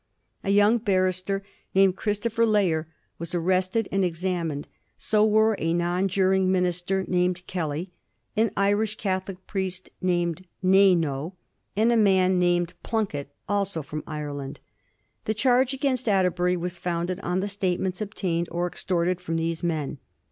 A yoimg barrister, named Christopher Layer, was arrested and examined ; so were a non juring minister named Kelly, an Irish Catholic priest called Neynoe, and a man named Plunkett, also from Ireland. The charge against Atterbury was founded on the statements obtained or extorted from these men.